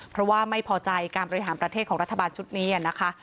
เพราะว่าไม่พอใจการบริหารประเทศของรัฐบาลชุดนี้นะคะ